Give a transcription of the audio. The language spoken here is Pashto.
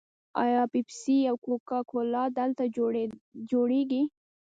آیا پیپسي او کوکا کولا دلته جوړیږي؟